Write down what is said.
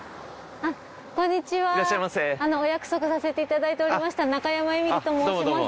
お約束させていただいておりました中山エミリと申します。